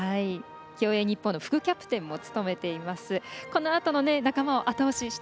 競泳日本の副キャプテンも務めています。